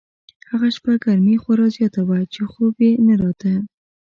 هغه شپه ګرمي خورا زیاته وه چې خوب یې نه راته.